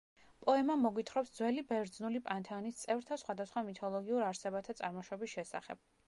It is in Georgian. პოემა მოგვითხრობს ძველი ბერძნული პანთეონის წევრთა სხვადასხვა მითოლოგიურ არსებათა წარმოშობის შესახებ.